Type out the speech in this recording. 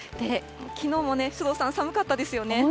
きのうも首藤さん、寒かったですよね。